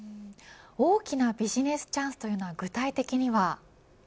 大きなビジネスチャンスといのは具体的には。